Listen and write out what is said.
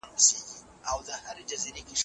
زده کړه انسان له تیارو څخه رڼا ته بیايي.